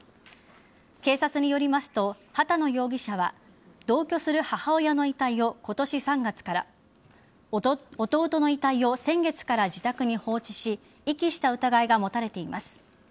警察によりますと波多野容疑者は同居する母親の遺体を今年３月から弟の遺体を先月から自宅に放置し遺棄した疑いが持たれています。